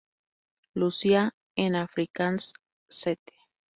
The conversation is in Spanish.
Lucia"; en afrikáans: "St.